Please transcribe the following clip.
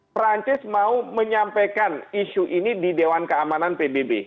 perancis mau menyampaikan isu ini di dewan keamanan pbb